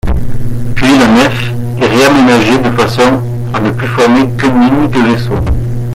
Puis la nef est réaménagée de façon à ne plus former qu'un unique vaisseau.